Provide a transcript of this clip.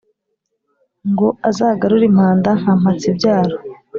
Ngo azagarure impanda nka Mpatsibyaro*.